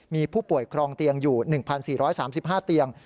มีผู้ป่วยครองเตียงอยู่๑๔๓๕เตียง